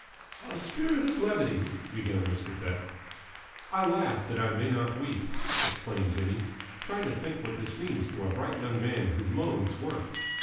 "A spirit of levity " began Mr. Pett. "I laugh that I may not weep," explained Jimmy. "Try to think what this means to a bright young man who loathes work.